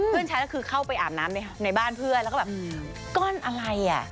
ฉันคือเข้าไปอาบน้ำในบ้านเพื่อนแล้วก็แบบก้อนอะไรอ่ะ